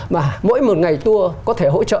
mà mỗi một ngày tour có thể hỗ trợ